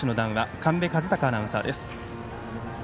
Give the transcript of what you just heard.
神戸和貴アナウンサーです。